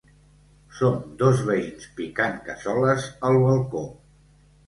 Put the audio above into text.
Som dos veïns picant cassoles al balcó.